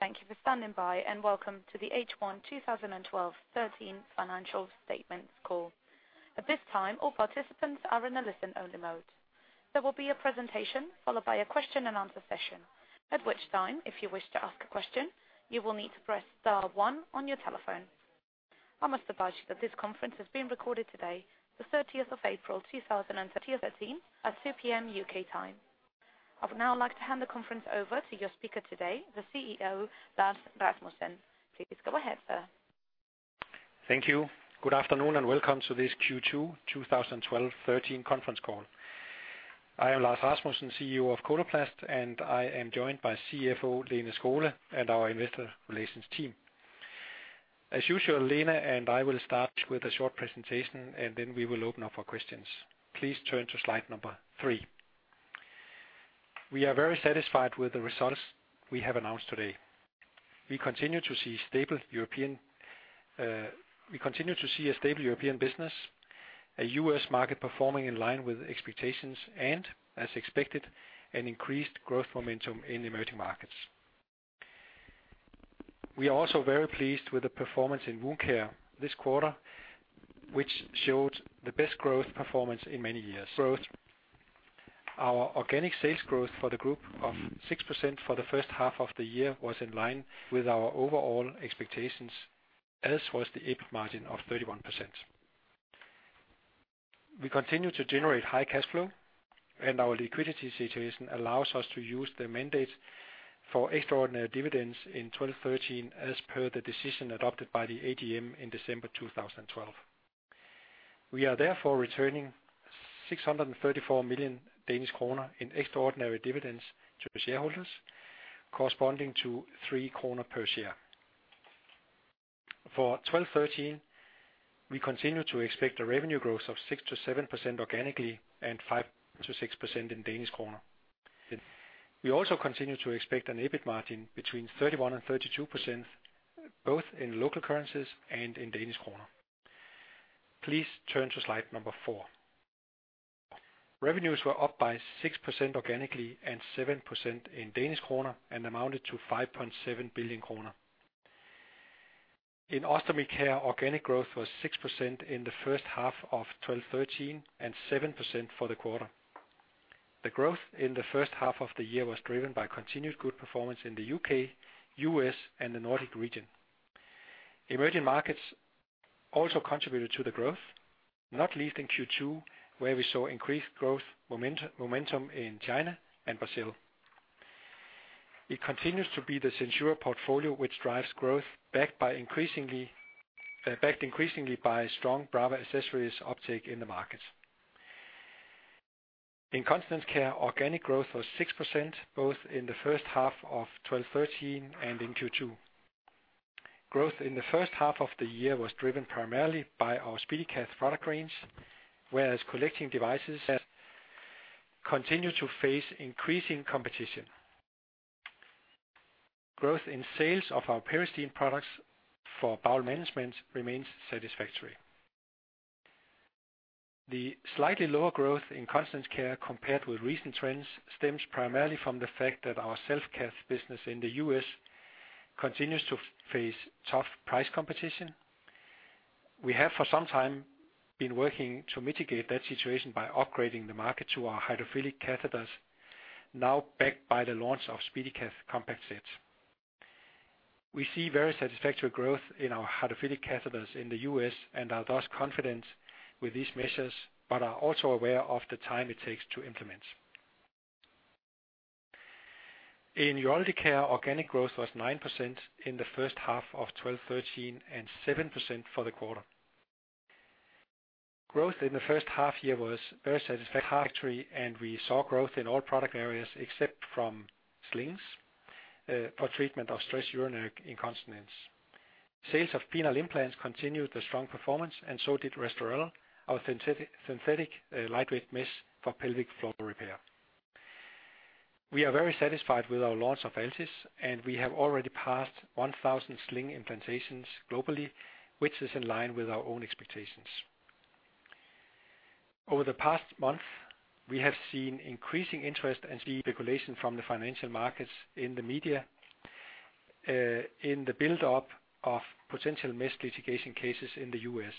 Thank you for standing by, and welcome to the H1 2012-2013 Financial Statements Call. At this time, all participants are in a listen-only mode. There will be a presentation, followed by a question-and-answer session, at which time, if you wish to ask a question, you will need to press star one on your telephone. I must advise you that this conference is being recorded today, the 30th of April, 2013, at 2:00 P.M. U.K. time. I would now like to hand the conference over to your speaker today, the CEO, Lars Rasmussen. Please go ahead, sir. Thank you. Good afternoon, welcome to this Q2 2012-2013 Conference Call. I am Lars Rasmussen, CEO of Coloplast, and I am joined by CFO Lene Skole and our investor relations team. As usual, Lene and I will start with a short presentation, and then we will open up for questions. Please turn to slide number three. We are very satisfied with the results we have announced today. We continue to see stable European business, a U.S. market performing in line with expectations, and, as expected, an increased growth momentum in emerging markets. We are also very pleased with the performance in wound care this quarter, which showed the best growth performance in many years. Growth. Our organic sales growth for the group of 6% for the first half of the year was in line with our overall expectations, as was the EBIT margin of 31%. We continue to generate high cash flow. Our liquidity situation allows us to use the mandate for extraordinary dividends in 2013, as per the decision adopted by the AGM in December 2012. We are therefore returning 634 million Danish kroner in extraordinary dividends to the shareholders, corresponding to 3 kroner per share. For 2013, we continue to expect a revenue growth of 6%-7% organically and 5%-6% in DKK. We also continue to expect an EBIT margin between 31% and 32%, both in local currencies and in DKK. Please turn to slide number four. Revenues were up by 6% organically and 7% in DKK and amounted to 5.7 billion kroner. In Ostomy Care, organic growth was 6% in the first half of 2013 and 7% for the quarter. The growth in the first half of the year was driven by continued good performance in the U.K., U.S., and the Nordic region. Emerging markets also contributed to the growth, not least in Q2, where we saw increased growth momentum in China and Brazil. It continues to be the SenSura portfolio, which drives growth, backed increasingly by strong Brava accessories uptake in the market. In Continence Care, organic growth was 6%, both in the first half of 2013 and in Q2. Growth in the first half of the year was driven primarily by our SpeediCath product range, whereas collecting devices continue to face increasing competition. Growth in sales of our Peristeen products for bowel management remains satisfactory. The slightly lower growth in Continence Care compared with recent trends stems primarily from the fact that our self-care business in the U.S. continues to face tough price competition. We have, for some time, been working to mitigate that situation by upgrading the market to our hydrophilic catheters, now backed by the launch of SpeediCath Compact Set. We see very satisfactory growth in our hydrophilic catheters in the U.S. and are thus confident with these measures, but are also aware of the time it takes to implement. In Urology Care, organic growth was 9% in the first half of 2013 and 7% for the quarter. Growth in the first half-year was very satisfactory, and we saw growth in all product areas except from slings for treatment of stress urinary incontinence. Sales of penile implants continued the strong performance, and so did Restorelle, our synthetic lightweight mesh for pelvic floor repair. We are very satisfied with our launch of Altis, and we have already passed 1,000 sling implantations globally, which is in line with our own expectations. Over the past month, we have seen increasing interest and speculation from the financial markets in the media in the build-up of potential mass litigation cases in the U.S.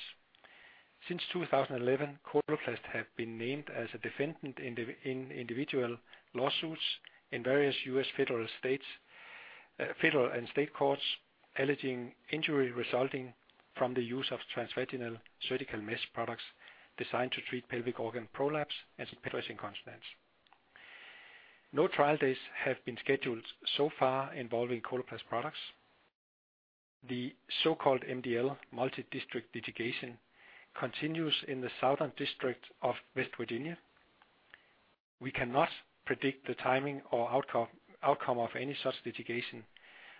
Since 2011, Coloplast have been named as a defendant in individual lawsuits in various U.S. federal states, federal and state courts, alleging injury resulting from the use of transvaginal surgical mesh products designed to treat pelvic organ prolapse and stress incontinence. No trial dates have been scheduled so far involving Coloplast products. The so-called MDL, Multidistrict Litigation, continues in the Southern District of West Virginia. We cannot predict the timing or outcome of any such litigation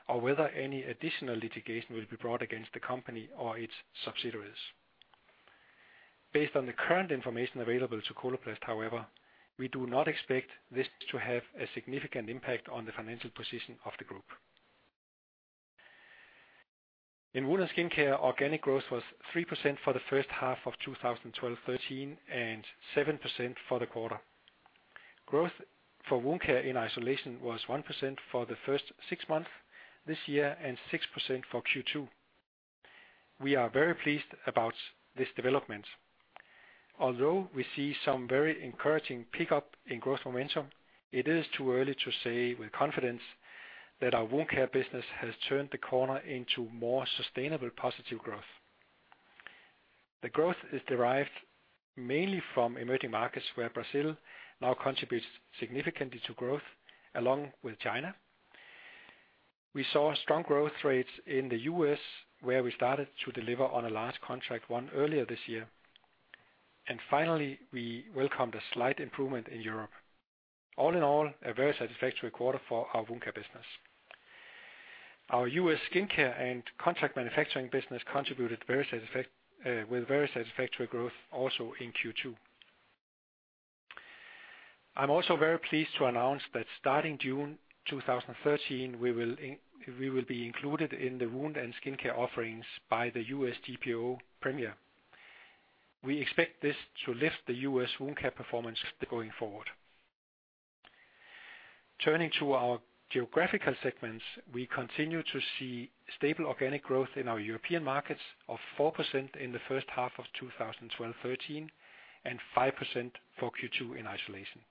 or whether any additional litigation will be brought against the company or its subsidiaries. Based on the current information available to Coloplast, however, we do not expect this to have a significant impact on the financial position of the group. In wound and skin care, organic growth was 3% for the first half of 2012, 2013, and 7% for the quarter. Growth for wound care in isolation was 1% for the first 6 months this year, and 6% for Q2. We are very pleased about this development. Although we see some very encouraging pickup in growth momentum, it is too early to say with confidence that our wound care business has turned the corner into more sustainable, positive growth. The growth is derived mainly from emerging markets, where Brazil now contributes significantly to growth, along with China. We saw strong growth rates in the U.S., where we started to deliver on a large contract won earlier this year. Finally, we welcomed a slight improvement in Europe. All in all, a very satisfactory quarter for our wound care business. Our U.S. skincare and contract manufacturing business contributed with very satisfactory growth also in Q2. I'm also very pleased to announce that starting June 2013, we will be included in the wound and skincare offerings by the U.S. GPO Premier. We expect this to lift the U.S. wound care performance going forward. Turning to our geographical segments, we continue to see stable organic growth in our European markets of 4% in the first half of 2012, 2013, and 5% for Q2 in isolation.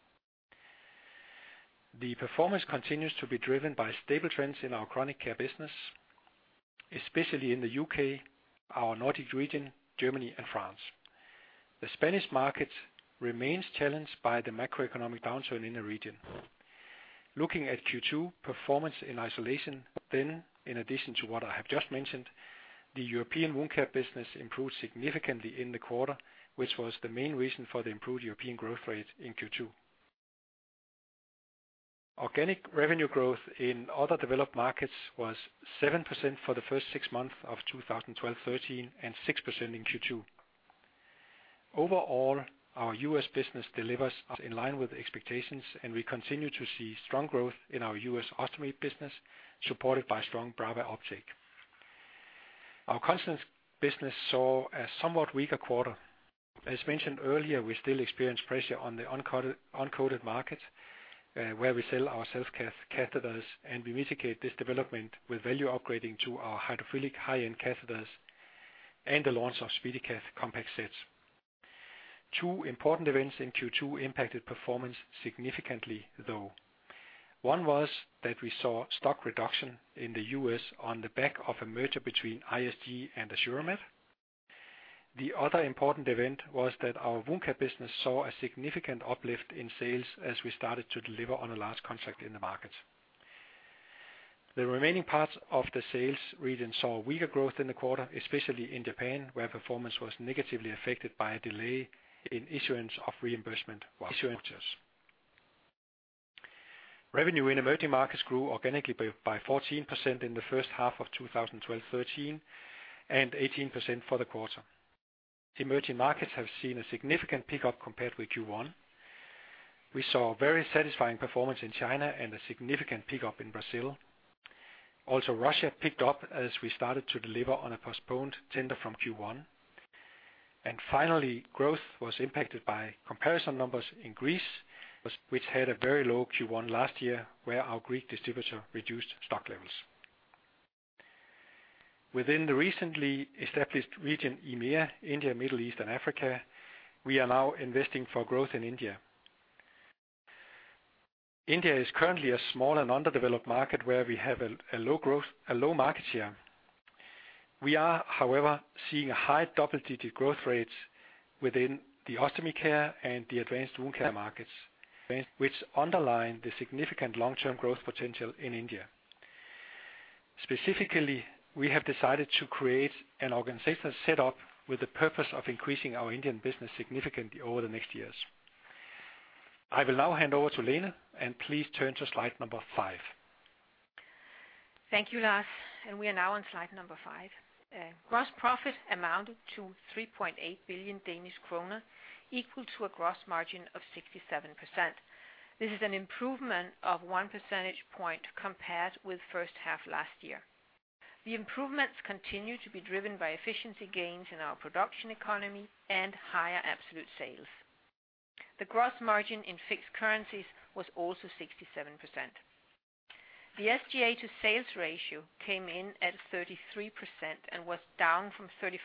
The performance continues to be driven by stable trends in our chronic care business, especially in the U.K., our Nordic region, Germany and France. The Spanish market remains challenged by the macroeconomic downturn in the region. Looking at Q2 performance in isolation, then in addition to what I have just mentioned, the European wound care business improved significantly in the quarter, which was the main reason for the improved European growth rate in Q2. Organic revenue growth in other developed markets was 7% for the first six months of 2012, 2013, and 6% in Q2. Overall, our U.S. business delivers in line with expectations, and we continue to see strong growth in our U.S. ostomy business, supported by strong Brava uptake. Our Continence Care business saw a somewhat weaker quarter. As mentioned earlier, we still experience pressure on the uncoded, uncoated market, where we sell our self-care catheters, and we mitigate this development with value upgrading to our hydrophilic high-end catheters and the launch of SpeediCath Compact Sets. Two important events in Q2 impacted performance significantly, though. One was that we saw stock reduction in the U.S. on the back of a merger between ISG and AssuraMed. The other important event was that our wound care business saw a significant uplift in sales as we started to deliver on a large contract in the market. The remaining parts of the sales region saw weaker growth in the quarter, especially in Japan, where performance was negatively affected by a delay in issuance of reimbursement for issuers. Revenue in emerging markets grew organically by 14% in the first half of 2012, 2013, and 18% for the quarter. Emerging markets have seen a significant pickup compared with Q1. We saw very satisfying performance in China and a significant pickup in Brazil. Russia picked up as we started to deliver on a postponed tender from Q1. Finally, growth was impacted by comparison numbers in Greece, which had a very low Q1 last year, where our Greek distributor reduced stock levels. Within the recently established region, IMEA, India, Middle East, and Africa, we are now investing for growth in India. India is currently a small and underdeveloped market where we have a low growth, a low market share. We are, however, seeing a high double-digit growth rate within the Ostomy Care and the advanced wound care markets, which underline the significant long-term growth potential in India. Specifically, we have decided to create an organizational set up with the purpose of increasing our Indian business significantly over the next years. I will now hand over to Lene, please turn to slide number five. Thank you, Lars. We are now on slide number five. Gross profit amounted to 3.8 billion Danish kroner, equal to a gross margin of 67%. This is an improvement of 1 percentage point compared with first half last year. The improvements continue to be driven by efficiency gains in our production economy and higher absolute sales. The gross margin in fixed currencies was also 67%. The SG&A-to-sales ratio came in at 33% and was down from 35%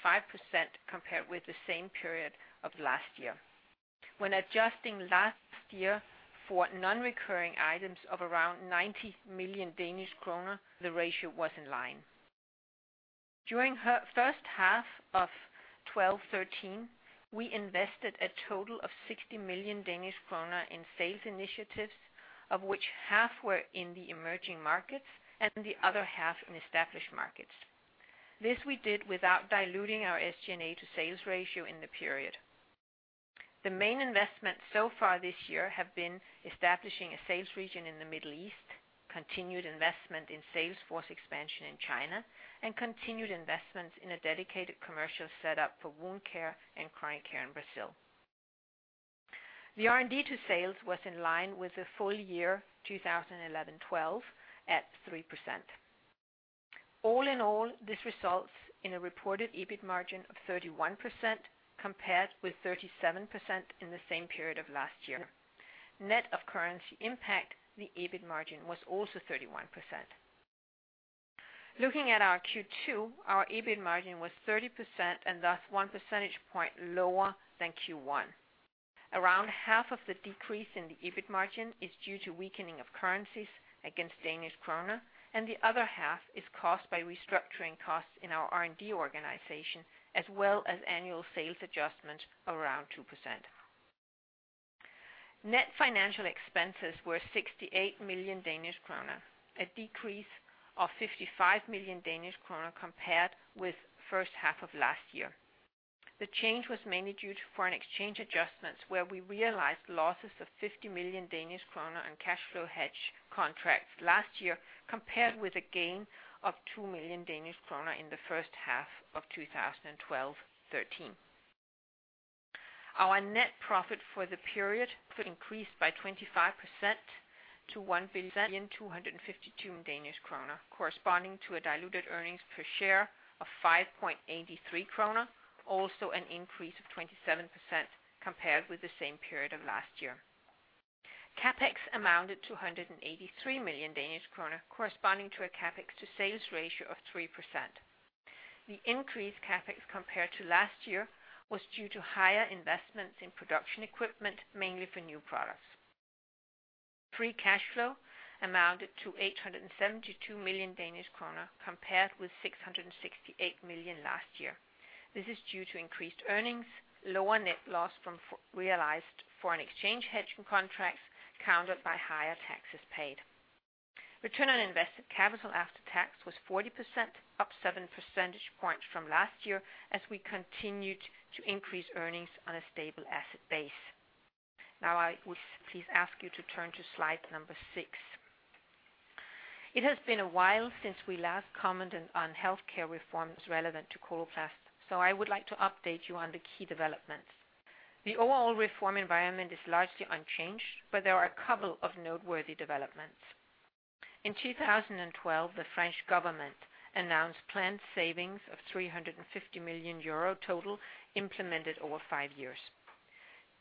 compared with the same period of last year. When adjusting last year for non-recurring items of around 90 million Danish kroner, the ratio was in line. During her first half of 2012, 2013, we invested a total of 60 million Danish kroner in sales initiatives, of which half were in the emerging markets and the other half in established markets. This we did without diluting our SG&A-to-sales ratio in the period. The main investments so far this year have been establishing a sales region in the Middle East, continued investment in sales force expansion in China, and continued investments in a dedicated commercial setup for wound care and chronic care in Brazil. The R&D-to-sales was in line with the full year 2011-2012, at 3%. All in all, this results in a reported EBIT margin of 31%, compared with 37% in the same period of last year. Net of currency impact, the EBIT margin was also 31%. Looking at our Q2, our EBIT margin was 30% and thus one percentage point lower than Q1. Around half of the decrease in the EBIT margin is due to weakening of currencies against Danish kroner, and the other half is caused by restructuring costs in our R&D organization, as well as annual sales adjustments around 2%. Net financial expenses were 68 million Danish kroner, a decrease of 55 million Danish kroner compared with first half of last year. The change was mainly due to foreign exchange adjustments, where we realized losses of 50 million Danish kroner on cash flow hedge contracts last year, compared with a gain of 2 million Danish kroner in the first half of 2012-2013. Our net profit for the period increased by 25% to 1,252 million Danish kroner, corresponding to a diluted earnings per share of 5.83 kroner, also an increase of 27% compared with the same period of last year. CapEx amounted to 183 million Danish kroner, corresponding to a CapEx-to-sales ratio of 3%. The increased CapEx compared to last year was due to higher investments in production equipment, mainly for new products. Free cash flow amounted to 872 million Danish kroner, compared with 668 million last year. This is due to increased earnings, lower net loss from realized foreign exchange hedging contracts, countered by higher taxes paid. Return on invested capital after tax was 40%, up seven percentage points from last year, as we continued to increase earnings on a stable asset base. I will please ask you to turn to slide number six. It has been a while since we last commented on healthcare reforms relevant to Coloplast. I would like to update you on the key developments. The overall reform environment is largely unchanged, but there are a couple of noteworthy developments. In 2012, the French government announced planned savings of 350 million euro total, implemented over five years.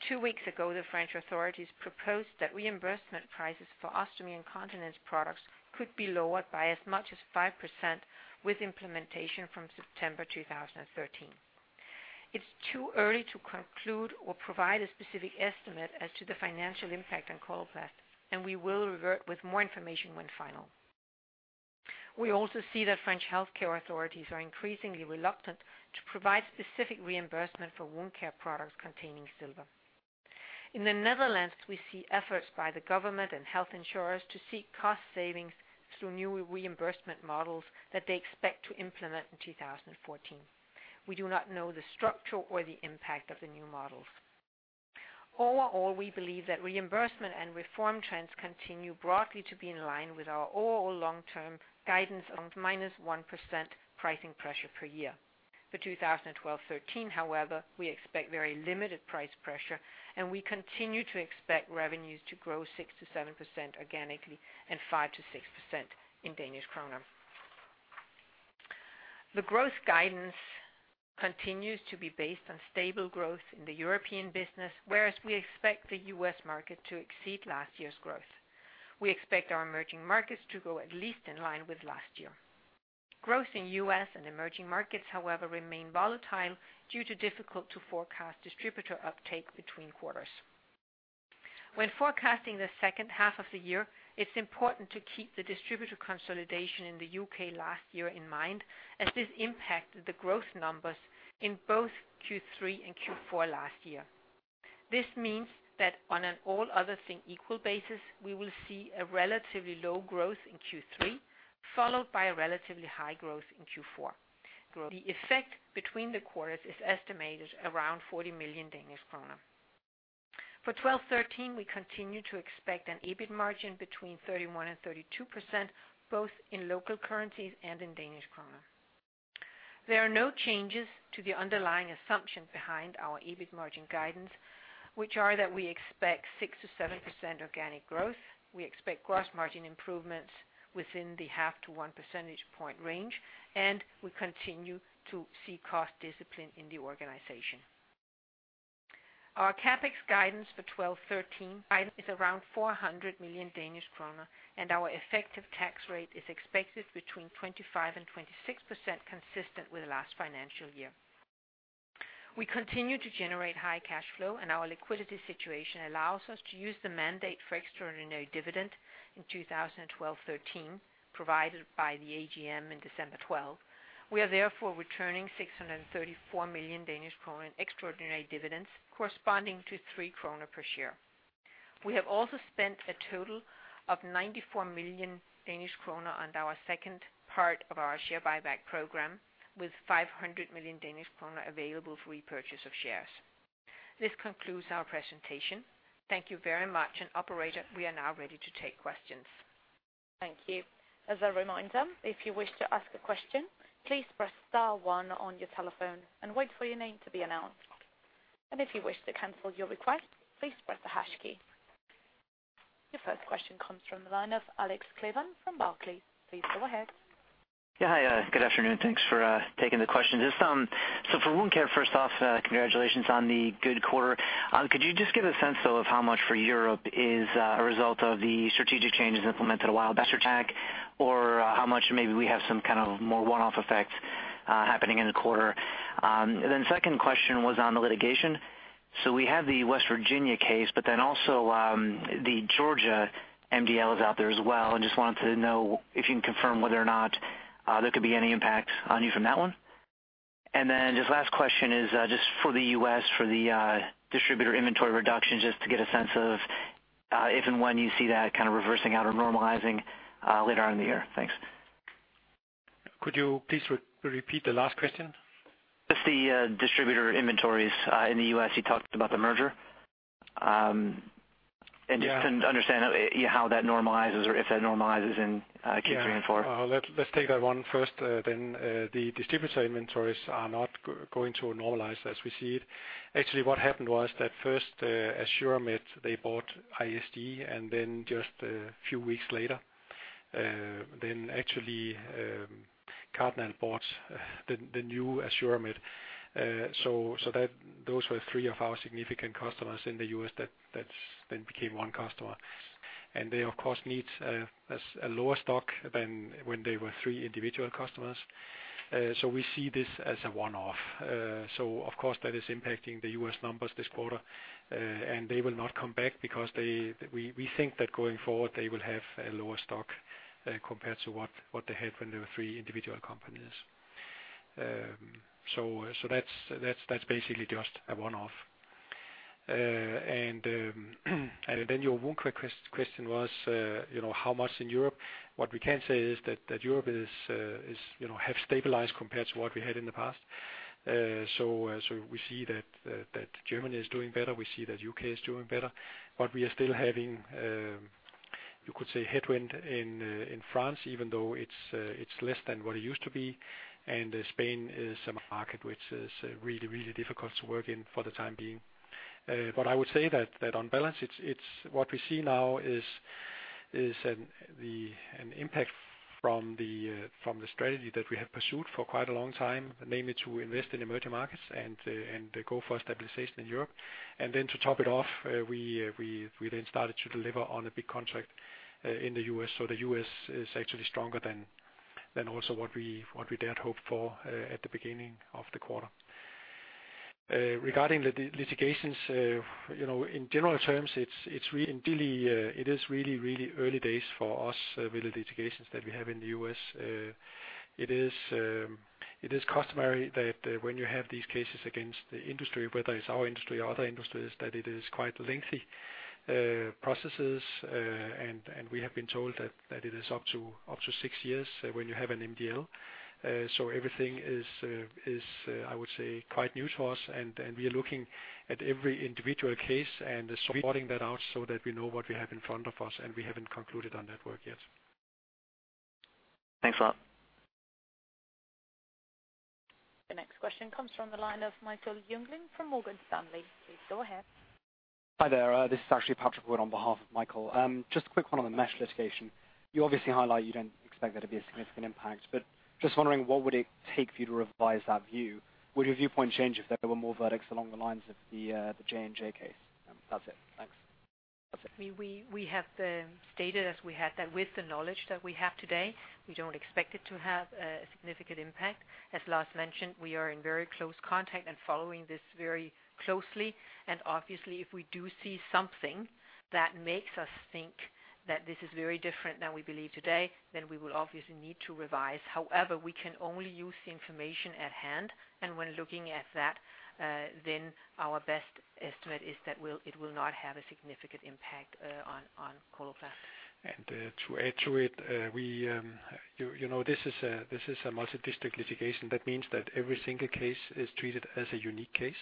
Two weeks ago, the French authorities proposed that reimbursement prices for ostomy and continence products could be lowered by as much as 5%, with implementation from September 2013. It's too early to conclude or provide a specific estimate as to the financial impact on Coloplast, and we will revert with more information when final. We also see that French healthcare authorities are increasingly reluctant to provide specific reimbursement for wound care products containing silver. In the Netherlands, we see efforts by the government and health insurers to seek cost savings through new reimbursement models that they expect to implement in 2014. We do not know the structure or the impact of the new models. Overall, we believe that reimbursement and reform trends continue broadly to be in line with our overall long-term guidance of -1% pricing pressure per year. For 2012-2013, however, we expect very limited price pressure, and we continue to expect revenues to grow 6%-7% organically and 5%-6% in Danish kroner. The growth guidance continues to be based on stable growth in the European business, whereas we expect the U.S. market to exceed last year's growth. We expect our emerging markets to go at least in line with last year. Growth in U.S. and emerging markets, however, remain volatile due to difficult-to-forecast distributor uptake between quarters. When forecasting the second half of the year, it's important to keep the distributor consolidation in the U.K. last year in mind, as this impacted the growth numbers in both Q3 and Q4 last year. This means that on an all other things equal basis, we will see a relatively low growth in Q3, followed by a relatively high growth in Q4. The effect between the quarters is estimated around 40 million Danish kroner. For 2013, we continue to expect an EBIT margin between 31% and 32%, both in local currencies and in Danish kroner. There are no changes to the underlying assumption behind our EBIT margin guidance, which are that we expect 6%-7% organic growth. We expect gross margin improvements within the half to one percentage point range, and we continue to see cost discipline in the organization. Our CapEx guidance for 2013 is around 400 million Danish kroner, and our effective tax rate is expected between 25% and 26%, consistent with last financial year. We continue to generate high cash flow. Our liquidity situation allows us to use the mandate for extraordinary dividend in 2012-2013, provided by the AGM in December 2012. We are therefore returning 634 million Danish kroner in extraordinary dividends, corresponding to 3 kroner per share. We have also spent a total of 94 million Danish kroner on our second part of our share buyback program, with 500 million Danish kroner available for repurchase of shares. This concludes our presentation. Thank you very much. Operator, we are now ready to take questions. Thank you. As a reminder, if you wish to ask a question, please press star one on your telephone and wait for your name to be announced. If you wish to cancel your request, please press the hash key. Your first question comes from the line of Alex Kleban from Barclays. Please go ahead. Hi, good afternoon. Thanks for taking the questions. Just, so for Wound Care, first off, congratulations on the good quarter. Could you just give a sense, though, of how much for Europe is a result of the strategic changes implemented a while back, or how much maybe we have some kind of more one-off effect happening in the quarter? Second question was on the litigation. We have the West Virginia case, also, the Georgia MDL is out there as well, just wanted to know if you can confirm whether or not there could be any impact on you from that one? Just last question is, just for the U.S., for the distributor inventory reduction, just to get a sense of if and when you see that kind of reversing out or normalizing later on in the year. Thanks. Could you please re-repeat the last question? Just the distributor inventories in the U.S. You talked about the merger. Yeah. -to understand how that normalizes or if that normalizes in, Q3 and Q4. Yeah. Let's take that one first. The distributor inventories are not going to normalize as we see it. Actually, what happened was that first, AssuraMed, they bought ISD, just a few weeks later, actually, Cardinal bought the new AssuraMed. Those were three of our significant customers in the U.S. that then became one customer. They, of course, need a lower stock than when they were three individual customers. We see this as a one-off. Of course, that is impacting the U.S. numbers this quarter, they will not come back because we think that going forward, they will have a lower stock compared to what they had when they were three individual companies. That's basically just a one-off. Then your wound care question was, you know, how much in Europe? What we can say is that Europe is, you know, have stabilized compared to what we had in the past. We see that Germany is doing better, we see that U.K. is doing better, but we are still having, you could say, headwind in France, even though it's less than what it used to be. Spain is a market which is really, really difficult to work in for the time being. But I would say that on balance it's what we see now is an impact from the strategy that we have pursued for quite a long time, namely to invest in emerging markets and go for stabilization in Europe. Then to top it off, we then started to deliver on a big contract in the U.S. The U.S. is actually stronger than also what we dared hope for at the beginning of the quarter. Regarding the litigations, you know, in general terms, it's really, indeed, it is really early days for us with the litigations that we have in the U.S. It is customary that when you have these cases against the industry, whether it's our industry or other industries, that it is quite lengthy processes. We have been told that it is up to six years when you have an MDL. Everything is, I would say, quite new to us, and we are looking at every individual case and sorting that out so that we know what we have in front of us, and we haven't concluded on that work yet. Thanks a lot. The next question comes from the line of Michael Jüngling from Morgan Stanley. Please go ahead. Hi there. This is actually Patrick Wood on behalf of Michael. Just a quick one on the mesh litigation. You obviously highlight you don't expect there to be a significant impact, but just wondering, what would it take for you to revise that view? Would your viewpoint change if there were more verdicts along the lines of the J&J case? That's it. Thanks. We have the stated as we had that with the knowledge that we have today, we don't expect it to have a significant impact. As Lars mentioned, we are in very close contact and following this very closely, and obviously, if we do see something that makes us think that this is very different than we believe today, then we will obviously need to revise. We can only use the information at hand, when looking at that, then our best estimate is that it will not have a significant impact on Coloplast. To add to it, we, you know, this is a Multidistrict Litigation. That means that every single case is treated as a unique case.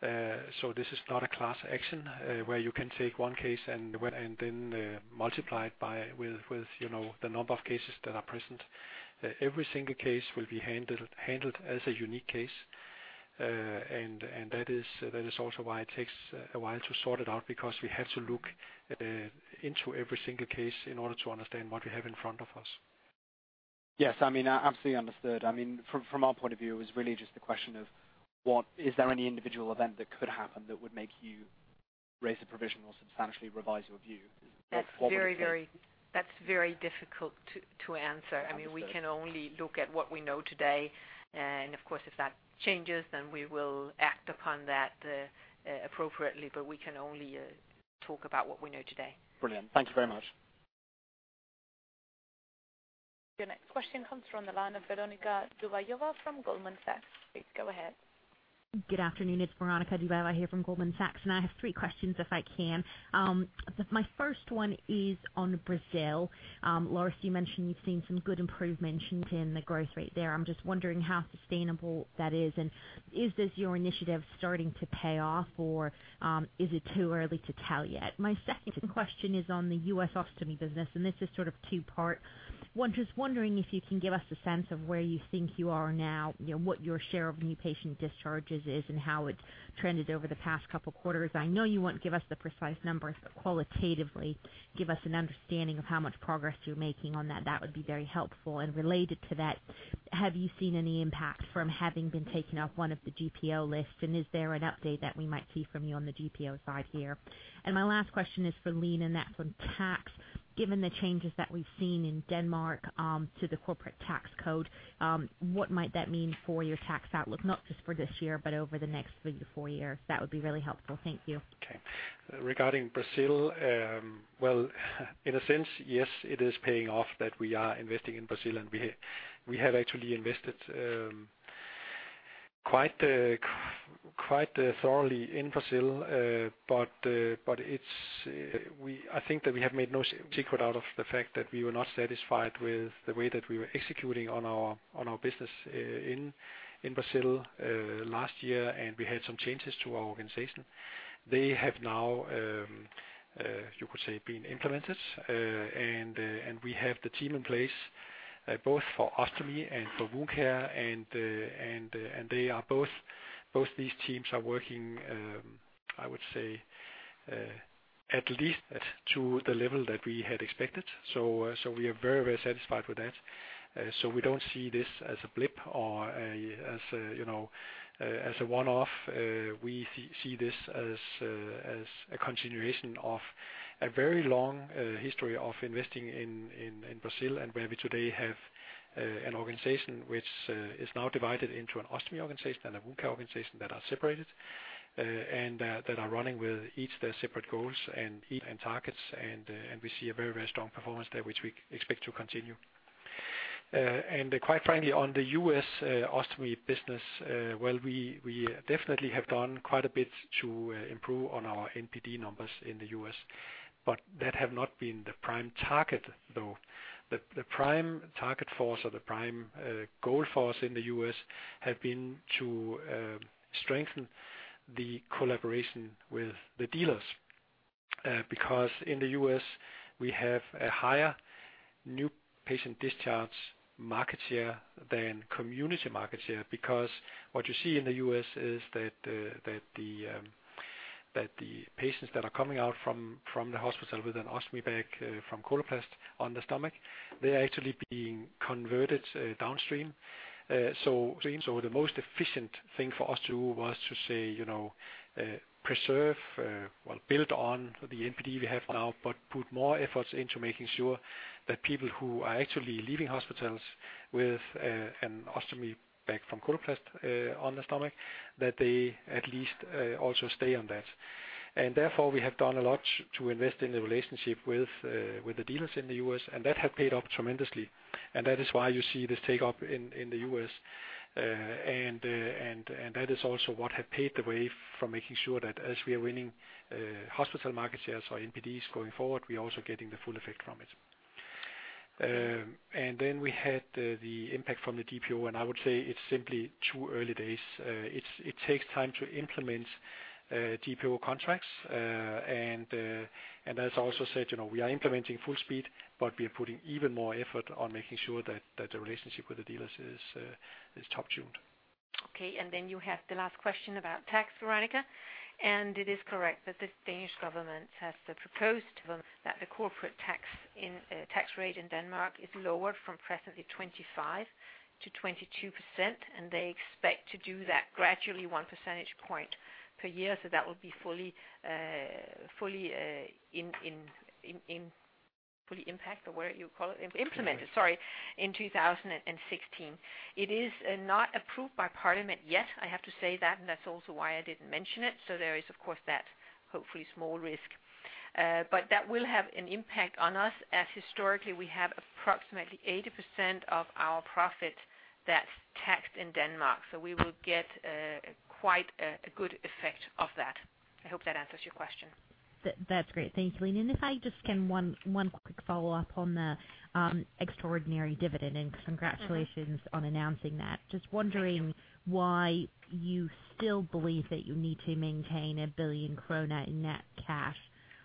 This is not a class action, where you can take one case and when, and then, multiply it by, with, you know, the number of cases that are present. Every single case will be handled as a unique case. That is also why it takes a while to sort it out, because we have to look into every single case in order to understand what we have in front of us. Yes, I mean, absolutely understood. I mean, from our point of view, it was really just a question of is there any individual event that could happen that would make you raise a provision or substantially revise your view? That's very... What would it take? That's very difficult to answer. Understood. I mean, we can only look at what we know today, and of course, if that changes, then we will act upon that appropriately, but we can only talk about what we know today. Brilliant. Thank you very much. Your next question comes from the line of Veronika Dubajova from Goldman Sachs. Please go ahead. Good afternoon, it's Veronika Dubajova here from Goldman Sachs, and I have three questions, if I can. My first one is on Brazil. Lars, you mentioned you've seen some good improvements in the growth rate there. I'm just wondering how sustainable that is, and is this your initiative starting to pay off, or, is it too early to tell yet? My second question is on the US Ostomy business, and this is sort of two part. One, just wondering if you can give us a sense of where you think you are now, you know, what your share of new patient discharges is, and how it's trended over the past couple quarters. I know you won't give us the precise numbers, but qualitatively give us an understanding of how much progress you're making on that. That would be very helpful. Related to that, have you seen any impact from having been taken off one of the GPO lists, and is there an update that we might see from you on the GPO side here? My last question is for Lene, and that's on tax. Given the changes that we've seen in Denmark, to the corporate tax code, what might that mean for your tax outlook, not just for this year, but over the next 3-4 years? That would be really helpful. Thank you. Okay. Regarding Brazil, well, in a sense, yes, it is paying off that we are investing in Brazil, we have actually invested, quite thoroughly in Brazil. It's, I think that we have made no secret out of the fact that we were not satisfied with the way that we were executing on our, on our business in Brazil last year, we had some changes to our organization. They have now, you could say, been implemented, we have the team in place both for ostomy and for wound care, they are both these teams are working, I would say, at least to the level that we had expected. We are very, very satisfied with that. We don't see this as a blip or a, as a, you know, as a one-off. We see this as a continuation of a very long history of investing in Brazil, and where we today have an organization which is now divided into an ostomy organization and a wound care organization that are separated, and that are running with each their separate goals and targets, and we see a very strong performance there, which we expect to continue. Quite frankly, on the U.S. ostomy business, well, we definitely have done quite a bit to improve on our NPD numbers in the U.S., but that have not been the prime target, though. The prime target for us or the prime goal for us in the U.S. have been to strengthen the collaboration with the dealers because in the U.S., we have a higher new patient discharge market share than community market share. What you see in the U.S. is that the patients that are coming out from the hospital with an ostomy bag from Coloplast on the stomach, they're actually being converted downstream. The most efficient thing for us to do was to say, you know, well, build on the NPD we have now, but put more efforts into making sure that people who are actually leaving hospitals with an ostomy bag from Coloplast on the stomach, that they at least also stay on that. We have done a lot to invest in the relationship with the dealers in the U.S., and that has paid off tremendously, and that is why you see this take off in the U.S. That is also what have paved the way for making sure that as we are winning hospital market shares or NPDs going forward, we are also getting the full effect from it. We had the impact from the GPO, and I would say it's simply too early days. It's, it takes time to implement GPO contracts, and as I also said, you know, we are implementing full speed, but we are putting even more effort on making sure that the relationship with the dealers is top tuned. Okay, you have the last question about tax, Veronika. It is correct that the Danish government has proposed that the corporate tax, in tax rate in Denmark is lowered from presently 25% to 22%, they expect to do that gradually, 1 percentage point per year. That will be fully implemented, sorry, in 2016. It is not approved by parliament yet. I have to say that's also why I didn't mention it. There is, of course, that hopefully small risk. That will have an impact on us, as historically we have approximately 80% of our profit that's taxed in Denmark. We will get a good effect of that. I hope that answers your question. That's great. Thank you, Lene. If I just can one quick follow-up on the extraordinary dividend, and congratulations. Mm-hmm. on announcing that. Just wondering- Thank you. -why you still believe that you need to maintain 1 billion krone in net cash,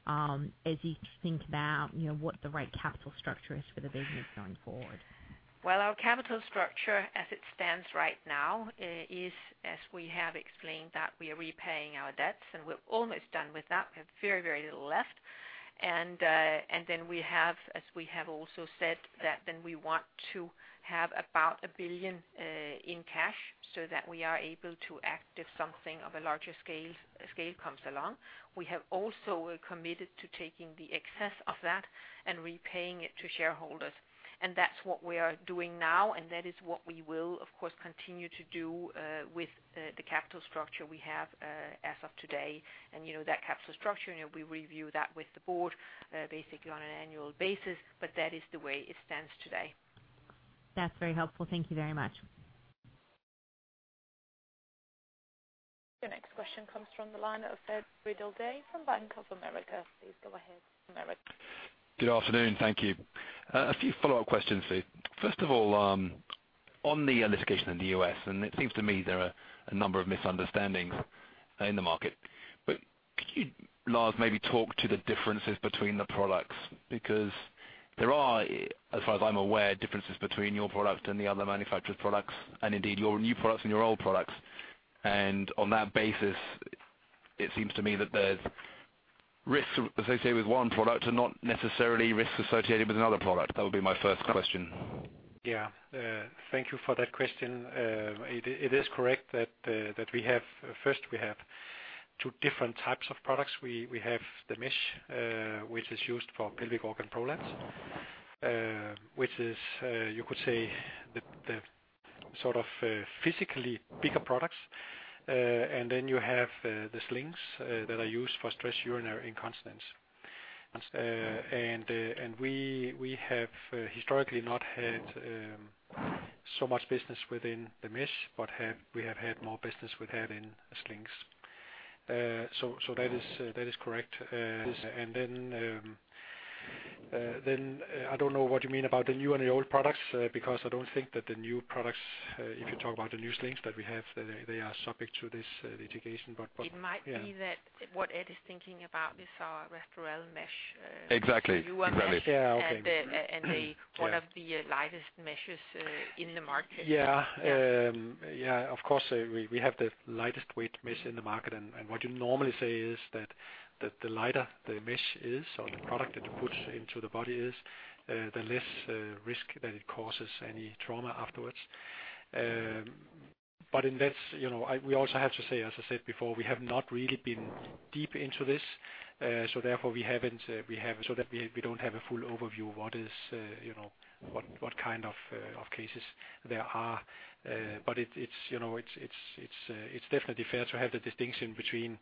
as you think about, you know, what the right capital structure is for the business going forward? Well, our capital structure as it stands right now, is, as we have explained, that we are repaying our debts, and we're almost done with that. We have very, very little left, and then we have, as we have also said, that then we want to have about 1 billion in cash so that we are able to act if something of a larger scale comes along. We have also committed to taking the excess of that and repaying it to shareholders, and that's what we are doing now, and that is what we will, of course, continue to do with the capital structure we have as of today. You know, that capital structure, you know, we review that with the board basically on an annual basis, but that is the way it stands today. That's very helpful. Thank you very much. Your next question comes from the line of Ed Ridley-Day from Bank of America. Please go ahead, America. Good afternoon. Thank you. A few follow-up questions, please. First of all, on the litigation in the U.S., it seems to me there are a number of misunderstandings in the market. Could you, Lars, maybe talk to the differences between the products? Because there are, as far as I'm aware, differences between your product and the other manufactured products, and indeed, your new products and your old products. On that basis, it seems to me that the risks associated with one product are not necessarily risks associated with another product. That would be my first question. Yeah, thank you for that question. It is correct that first, we have two different types of products. We have the mesh, which is used for pelvic organ prolapse, which is, you could say, the sort of, physically bigger products. Then you have, the slings, that are used for stress urinary incontinence. We have, historically not had, so much business within the mesh, but we have had more business we've had in the slings. That is, that is correct. I don't know what you mean about the new and the old products, because I don't think that the new products, if you talk about the new slings that we have, they are subject to this litigation, yeah. It might be that what Ed is thinking about is our Repliform mesh. Exactly. Exactly. Yeah, okay. And, uh, and they- Yeah. One of the lightest meshes in the market. Yeah, of course, we have the lightest weight mesh in the market. What you normally say is that the lighter the mesh is or the product that you put into the body is the less risk that it causes any trauma afterwards. In this, you know, we also have to say, as I said before, we have not really been deep into this, so therefore, we haven't so that we don't have a full overview of what is, you know, what kind of cases there are. It's, you know, it's definitely fair to have the distinction between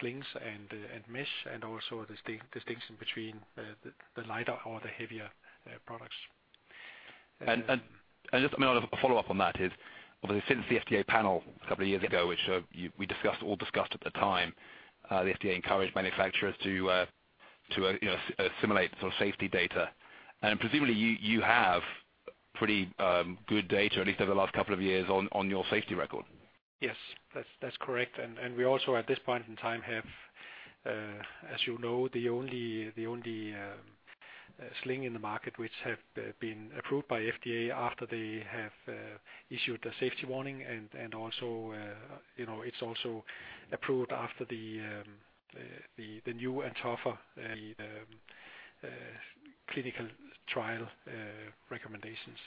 slings and mesh, and also a distinction between the lighter or the heavier products. Just a follow-up on that is, since the FDA panel a couple of years ago, which you, we discussed, all discussed at the time, the FDA encouraged manufacturers to, you know, assimilate sort of safety data. Presumably, you have pretty, good data, at least over the last couple of years, on your safety record. Yes, that's correct. We also, at this point in time, have, as you know, the only sling in the market which have been approved by FDA after they have issued the safety warning. Also, you know, it's also approved after the new and tougher clinical trial recommendations.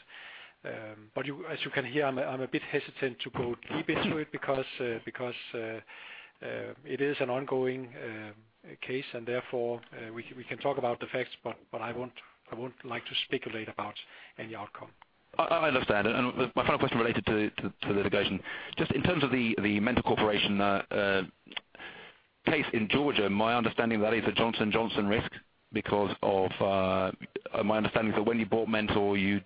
You, as you can hear, I'm a bit hesitant to go deep into it because it is an ongoing case. Therefore, we can talk about the facts, but I won't like to speculate about any outcome. I understand. My final question related to the litigation. Just in terms of the Mentor Corporation case in Georgia, my understanding that is a Johnson & Johnson risk because of... My understanding is that when you bought Mentor, you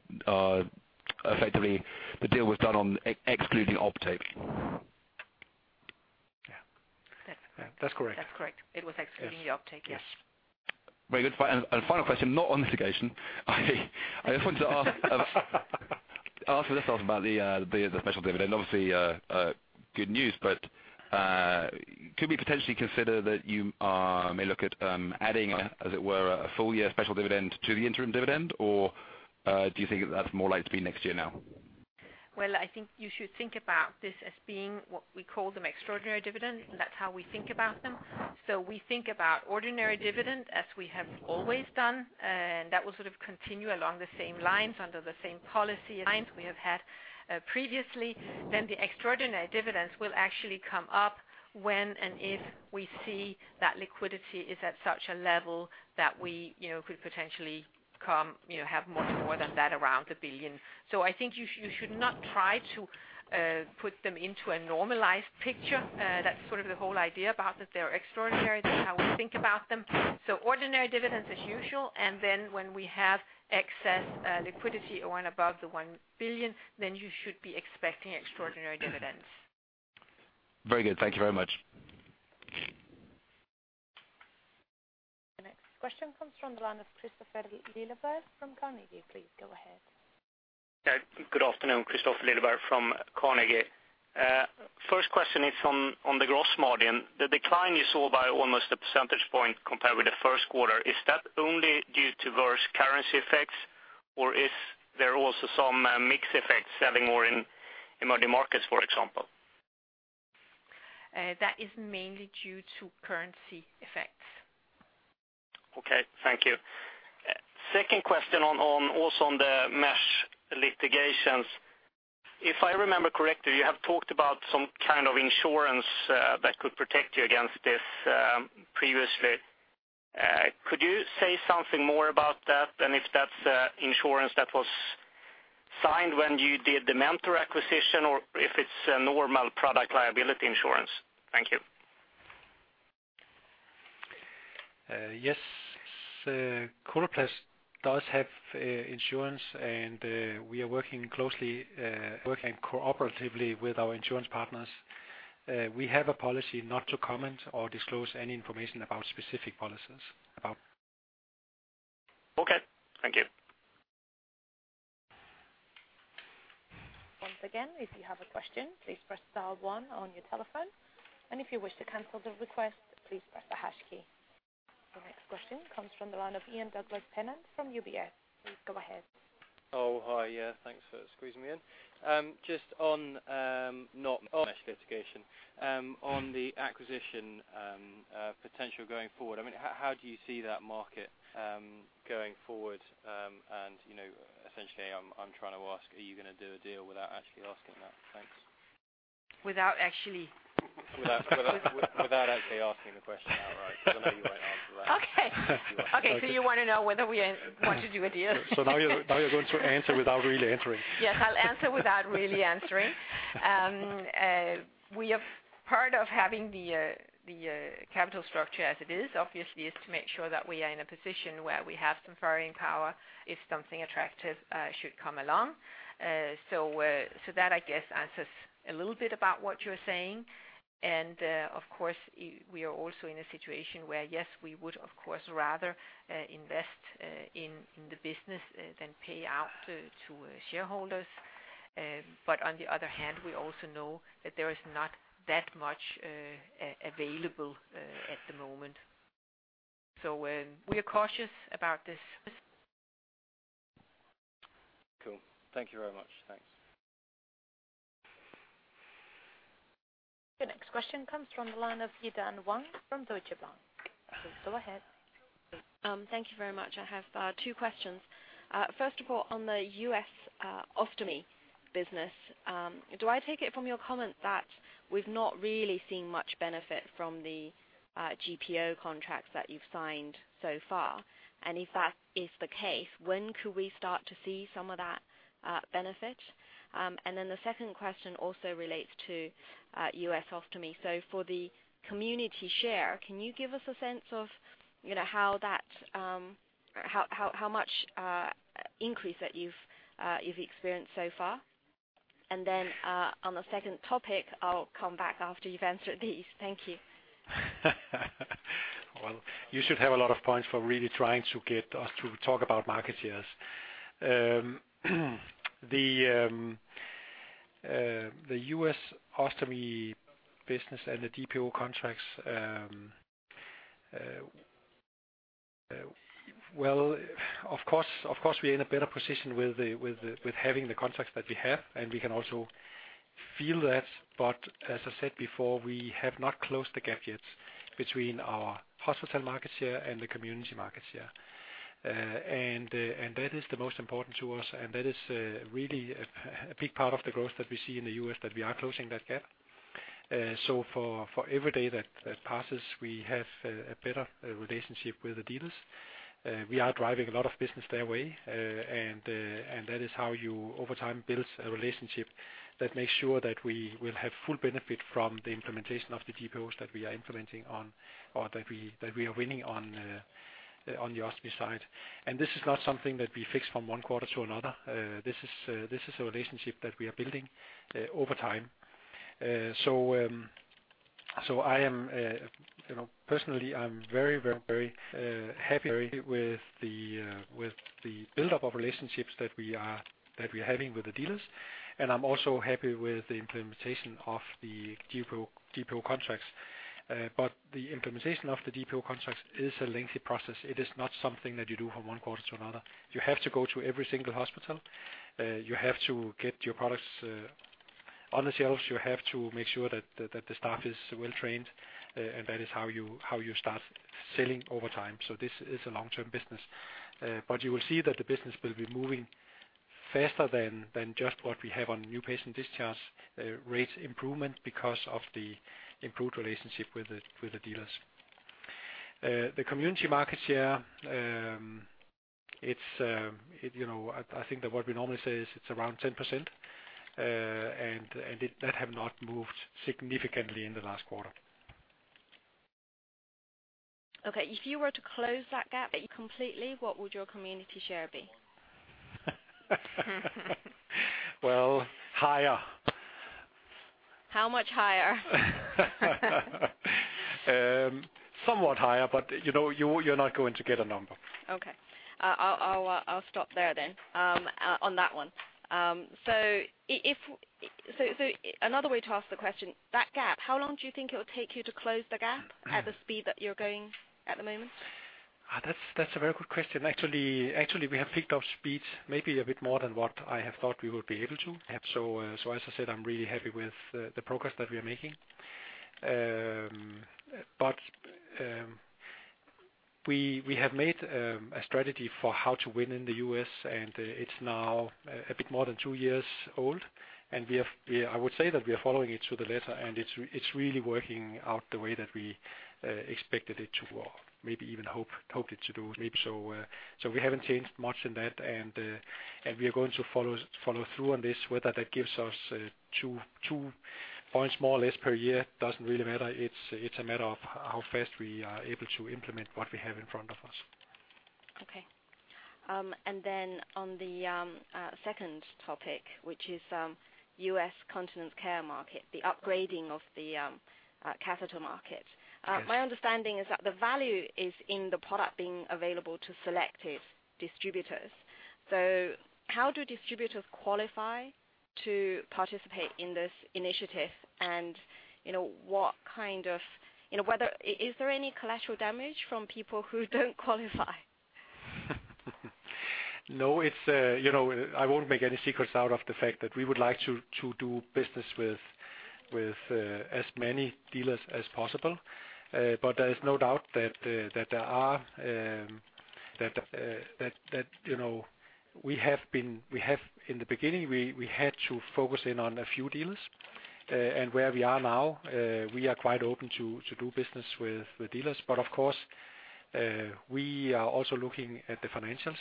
effectively, the deal was done on excluding Mpathy. Yeah. That's- Yeah, that's correct. That's correct. It was excluding the Mpathy, yes. Yes. Very good. Final question, not on litigation. I just wanted to ask, just ask about the special dividend. Obviously, good news, but could we potentially consider that you may look at adding, as it were, a full year special dividend to the interim dividend? Or do you think that's more likely to be next year now? Well, I think you should think about this as being what we call them extraordinary dividends. That's how we think about them. We think about ordinary dividend as we have always done, and that will sort of continue along the same lines, under the same policy lines we have had previously. The extraordinary dividends will actually come up when and if we see that liquidity is at such a level that we, you know, could potentially come, you know, have much more than that around 1 billion. I think you should not try to put them into a normalized picture. That's sort of the whole idea about that they are extraordinary, how we think about them. Ordinary dividends as usual, and when we have excess liquidity on above the 1 billion, you should be expecting extraordinary dividends. Very good. Thank you very much. The next question comes from the line of Niels Granholm-Leth from Carnegie. Please go ahead. Good afternoon, Niels Granholm-Leth from Carnegie. first question is on the gross margin. The decline you saw by almost a percentage point compared with the first quarter, is that only due to worse currency effects, or is there also some mix effects selling more in emerging markets, for example? That is mainly due to currency effects. Okay, thank you. Second question on, also on the mesh litigations. If I remember correctly, you have talked about some kind of insurance, that could protect you against this, previously. Could you say something more about that, and if that's, insurance that was signed when you did the Mentor acquisition, or if it's a normal product liability insurance? Thank you. Yes, Coloplast does have insurance, and we are working closely, working cooperatively with our insurance partners. We have a policy not to comment or disclose any information about specific policies, about. Okay, thank you. Once again, if you have a question, please press star one on your telephone, and if you wish to cancel the request, please press the hash key. The next question comes from the line of Ian Douglas-Pennant from UBS. Please go ahead. Oh, hi. Yeah, thanks for squeezing me in. Just on, not on investigation, on the acquisition, potential going forward, I mean, how do you see that market going forward? You know, essentially, I'm trying to ask, are you gonna do a deal without actually asking that? Thanks. Without actually? Without actually asking the question outright, 'cause I know you won't answer that. Okay. Okay, you wanna know whether we want to do a deal? Now you're going to answer without really answering. Yes, I'll answer without really answering. We have part of having the capital structure as it is, obviously, is to make sure that we are in a position where we have some firing power if something attractive should come along. That, I guess, answers a little bit about what you're saying. Of course, we are also in a situation where, yes, we would, of course, rather invest in the business than pay out to shareholders. On the other hand, we also know that there is not that much available at the moment. We are cautious about this. Cool. Thank you very much. Thanks. The next question comes from the line of Yi-Dan Wang from Deutsche Bank. Please go ahead. Thank you very much. I have two questions. First of all, on the U.S. Ostomy business, do I take it from your comment that we've not really seen much benefit from the GPO contracts that you've signed so far? If that is the case, when could we start to see some of that benefit? The second question also relates to U.S. Ostomy. For the community share, can you give us a sense of, you know, how much increase that you've experienced so far? On the second topic, I'll come back after you've answered these. Thank you. You should have a lot of points for really trying to get us to talk about market shares. The U.S. ostomy business and the GPO contracts. Of course, we're in a better position with the contracts that we have, and we can also feel that. As I said before, we have not closed the gap yet between our hospital market share and the community market share. That is the most important to us, and that is really a big part of the growth that we see in the U.S., that we are closing that gap. For every day that passes, we have a better relationship with the dealers. We are driving a lot of business their way, and that is how you, over time, build a relationship that makes sure that we will have full benefit from the implementation of the GPOs that we are implementing on, or that we are winning on the ostomy side. This is not something that we fix from one quarter to another, this is a relationship that we are building over time. So I am, you know, personally, I'm very, very, very happy with the buildup of relationships that we are, that we're having with the dealers, and I'm also happy with the implementation of the GPO contracts. The implementation of the GPO contracts is a lengthy process. It is not something that you do from one quarter to another. You have to go to every single hospital. You have to get your products on the shelves. You have to make sure that the staff is well trained, and that is how you start selling over time, so this is a long-term business. You will see that the business will be moving faster than just what we have on new patient discharge rate improvement because of the improved relationship with the dealers. The community market share, it's, you know, I think that what we normally say is it's around 10%, and it that have not moved significantly in the last quarter. Okay, if you were to close that gap completely, what would your community share be? Well, higher. How much higher? Somewhat higher, but, you know, you're not going to get a number. I'll stop there then, on that one. If, so, another way to ask the question, that gap, how long do you think it will take you to close the gap at the speed that you're going at the moment? That's a very good question. Actually, we have picked up speed maybe a bit more than what I have thought we would be able to. As I said, I'm really happy with the progress that we are making. We have made a strategy for how to win in the U.S., and it's now a bit more than two years old, and we have I would say that we are following it to the letter, and it's really working out the way that we expected it to, or maybe even hoped it to do maybe. We haven't changed much in that, and we are going to follow through on this. Whether that gives us two points more or less per year, doesn't really matter. It's a matter of how fast we are able to implement what we have in front of us. Okay. On the second topic, which is U.S. Continence Care market, the upgrading of the catheter market. Yes. My understanding is that the value is in the product being available to selective distributors. How do distributors qualify to participate in this initiative? You know, is there any collateral damage from people who don't qualify? No, it's, you know, I won't make any secrets out of the fact that we would like to do business with as many dealers as possible. There is no doubt that there are that, you know, we have in the beginning, we had to focus in on a few dealers. Where we are now, we are quite open to do business with dealers. Of course, we are also looking at the financials.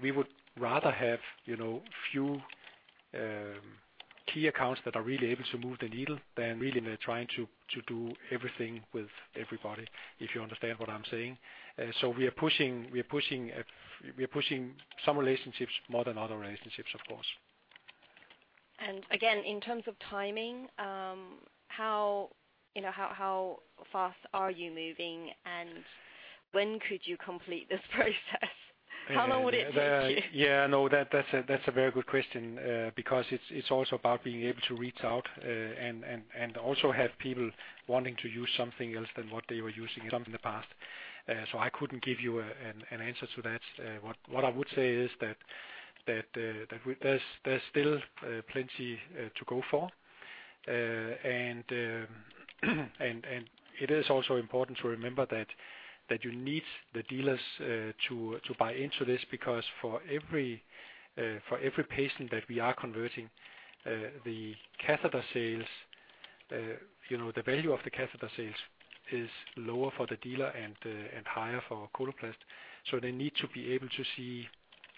We would rather have, you know, few key accounts that are really able to move the needle than really trying to do everything with everybody, if you understand what I'm saying. We are pushing some relationships more than other relationships, of course. Again, in terms of timing, how, you know, how fast are you moving, and when could you complete this process? How long would it take you? Yeah, no, that's a very good question because it's also about being able to reach out and also have people wanting to use something else than what they were using in the past. I couldn't give you an answer to that. What I would say is that there's still plenty to go for. It is also important to remember that you need the dealers to buy into this, because for every patient that we are converting, the catheter sales, you know, the value of the catheter sales is lower for the dealer and higher for Coloplast. They need to be able to see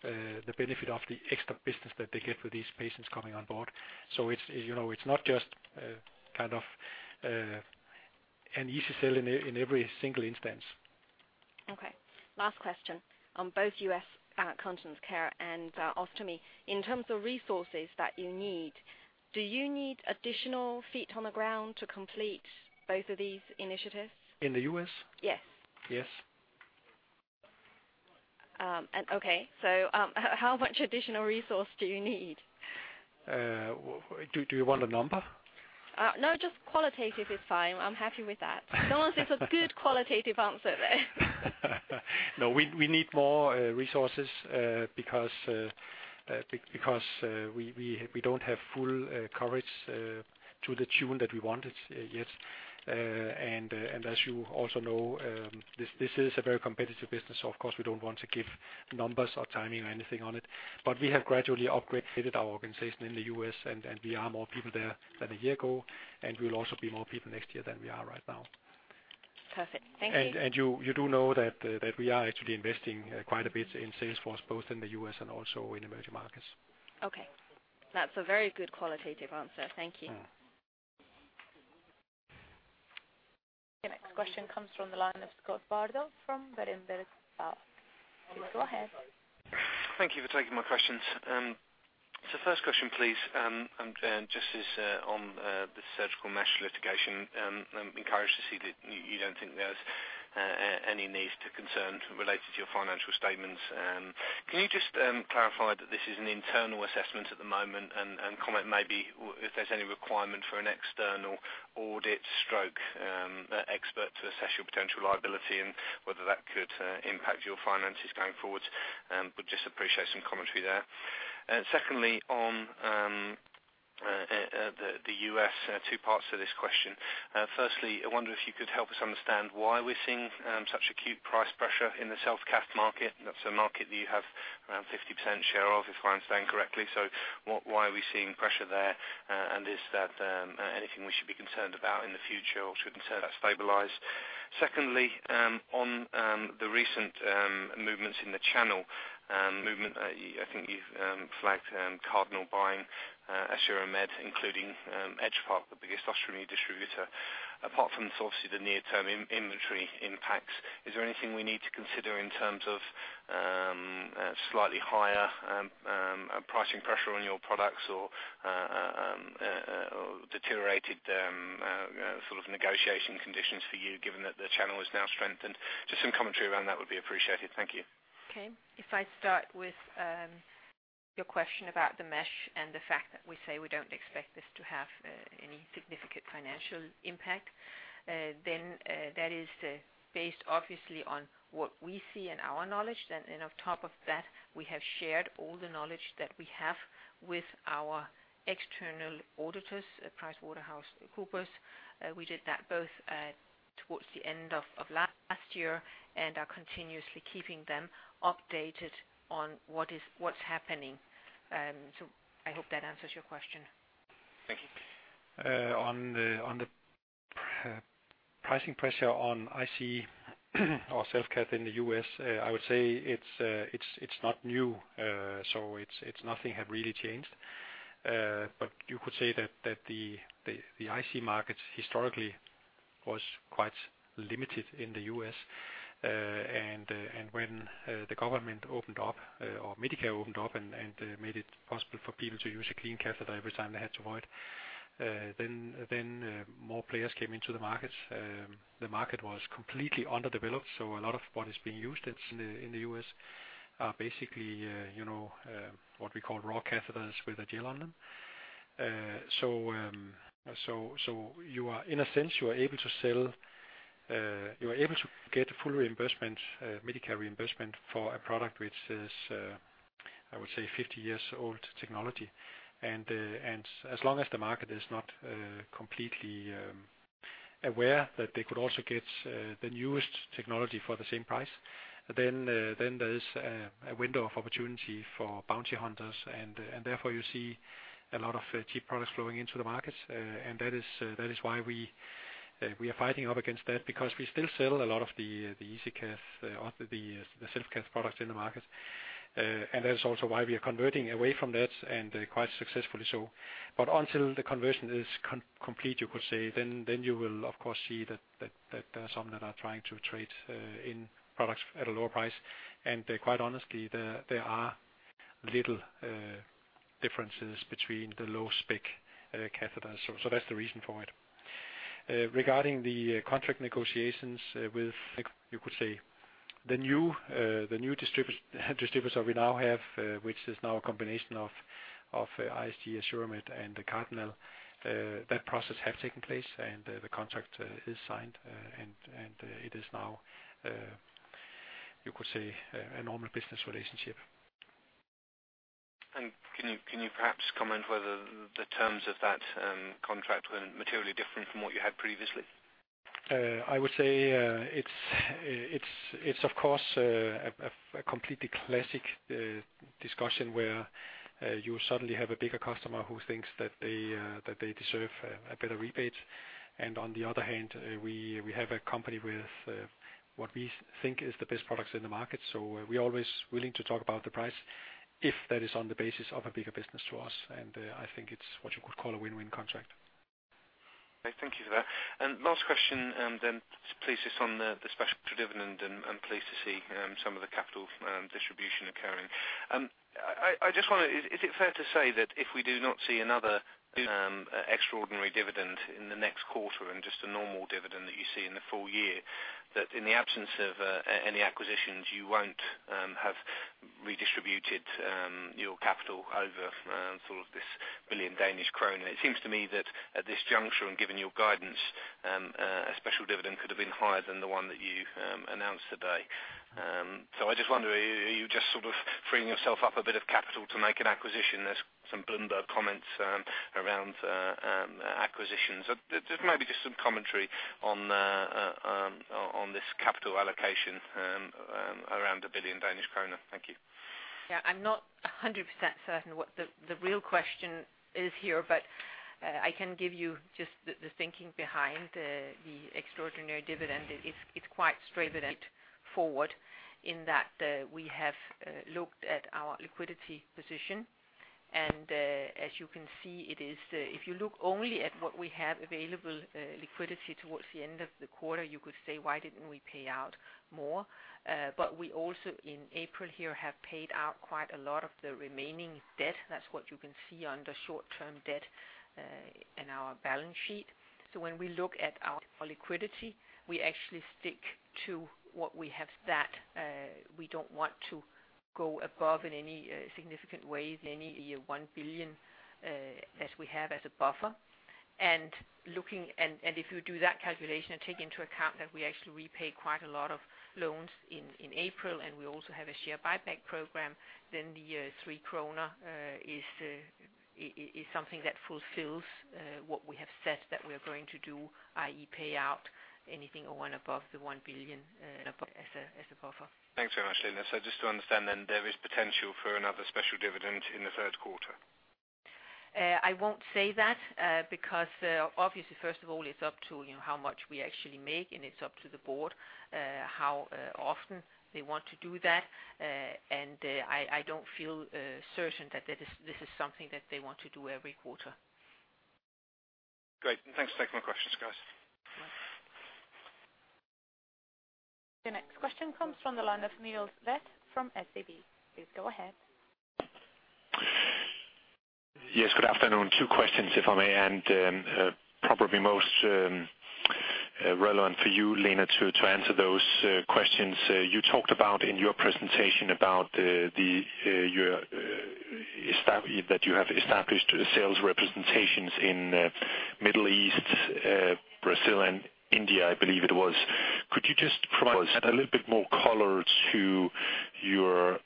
the benefit of the extra business that they get with these patients coming on board. It's, you know, it's not just kind of an easy sell in every single instance. Last question on both U.S. Continence Care and Ostomy. In terms of resources that you need, do you need additional feet on the ground to complete both of these initiatives? In the U.S.? Yes. Yes. Okay. How much additional resource do you need? Do you want a number? No, just qualitative is fine. I'm happy with that. As long as it's a good qualitative answer there. No, we need more resources because we don't have full coverage to the tune that we wanted yet. As you also know, this is a very competitive business, so of course, we don't want to give numbers or timing or anything on it. We have gradually upgraded our organization in the U.S., and we are more people there than a year ago, and we will also be more people next year than we are right now. Perfect. Thank you. You do know that we are actually investing quite a bit in sales force, both in the U.S. and also in emerging markets. Okay. That's a very good qualitative answer. Thank you. Mm-hmm. Your next question comes from the line of Scott Bardo from Berenberg Bank. Please go ahead. Thank you for taking my questions. First question, please, and just as on the surgical mesh litigation, I'm encouraged to see that you don't think there's any need to concern related to your financial statements. Can you just clarify that this is an internal assessment at the moment, and comment maybe if there's any requirement for an external audit stroke expert to assess your potential liability and whether that could impact your finances going forward? Would just appreciate some commentary there. Secondly, on the U.S., two parts to this question. Firstly, I wonder if you could help us understand why we're seeing such acute price pressure in the Self-Cath market. That's a market that you have around 50% share of, if I understand correctly. Why are we seeing pressure there? Is that anything we should be concerned about in the future or should concern that's stabilized? Secondly, on the recent movements in the channel, I think you've flagged Cardinal buying AssuraMed, including Edgepark, the biggest ostomy distributor. Apart from obviously the near-term inventory impacts, is there anything we need to consider in terms of slightly higher pricing pressure on your products or deteriorated sort of negotiation conditions for you, given that the channel is now strengthened? Just some commentary around that would be appreciated. Thank you. If I start with your question about the mesh and the fact that we say we don't expect this to have any significant financial impact, that is based obviously on what we see and our knowledge. On top of that, we have shared all the knowledge that we have with our external auditors at PricewaterhouseCoopers. We did that both towards the end of last year and are continuously keeping them updated on what's happening. I hope that answers your question. Thank you. On the pricing pressure on IC or Self-Cath in the U.S., I would say it's not new, so nothing had really changed. You could say that the IC market historically was quite limited in the U.S. When the government opened up, or Medicare opened up and made it possible for people to use a clean catheter every time they had to void, then more players came into the market. The market was completely underdeveloped, so a lot of what is being used in the U.S. are basically, you know, what we call raw catheters with a gel on them. In a sense, you are able to sell, you are able to get a full reimbursement, Medicare reimbursement for a product which is, I would say 50-year-old technology. As long as the market is not completely aware that they could also get the newest technology for the same price, then there is a window of opportunity for bounty hunters, and therefore, you see a lot of cheap products flowing into the market. That is why we are fighting up against that because we still sell a lot of the EasiCath, the Self-Cath products in the market. That is also why we are converting away from that, and quite successfully so. Until the conversion is complete, you could say, then you will, of course, see that there are some that are trying to trade in products at a lower price. Quite honestly, there are little differences between the low-spec catheters. That's the reason for it. Regarding the contract negotiations with, you could say, the new distributor we now have, which is now a combination of ISG AssuraMed and Cardinal, that process have taken place, and the contract is signed. It is now, you could say, a normal business relationship. Can you perhaps comment whether the terms of that contract were materially different from what you had previously? I would say, it's of course, a completely classic discussion where you suddenly have a bigger customer who thinks that they deserve a better rebate. On the other hand, we have a company with what we think is the best products in the market. We're always willing to talk about the price if that is on the basis of a bigger business to us. I think it's what you could call a win-win contract. Thank you for that. Last question, then please, just on the special dividend and pleased to see some of the capital distribution occurring. I just wonder, is it fair to say that if we do not see another extraordinary dividend in the next quarter and just a normal dividend that you see in the full year, that in the absence of any acquisitions, you won't have redistributed your capital over sort of 1 billion Danish kroner? It seems to me that at this juncture, and given your guidance, a special dividend could have been higher than the one that you announced today. I just wonder, are you just sort of freeing yourself up a bit of capital to make an acquisition? There's some Bloomberg comments around acquisitions. Just maybe some commentary on this capital allocation, around 1 billion Danish kroner. Thank you. I'm not 100% certain what the real question is here, I can give you just the thinking behind the extraordinary dividend. It's quite straightforward in that we have looked at our liquidity position, and as you can see, if you look only at what we have available liquidity towards the end of the quarter, you could say, "Why didn't we pay out more?" We also, in April here, have paid out quite a lot of the remaining debt. That's what you can see under short-term debt in our balance sheet. When we look at our liquidity, we actually stick to what we have that we don't want to go above in any significant way, in any 1 billion as we have as a buffer. If you do that calculation and take into account that we actually repay quite a lot of loans in April, and we also have a share buyback program, then the 3 krone is something that fulfills what we have said that we're going to do, i.e., pay out anything or when above the 1 billion as a buffer. Thanks very much, Lene. Just to understand, there is potential for another special dividend in the third quarter? I won't say that, because, obviously, first of all, it's up to, you know, how much we actually make, and it's up to the board, how often they want to do that. I don't feel certain that this is something that they want to do every quarter. Great. Thanks for taking my questions, guys. You're welcome. The next question comes from the line of Niels Leth from SEB. Please go ahead. Yes, good afternoon. Two questions, if I may, and probably most relevant for you, Lene, to answer those questions. You talked about in your presentation about the that you have established sales representations in Middle East, Brazil and India, I believe it was. Could you just provide a little bit more color to your